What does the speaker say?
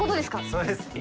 そうですね。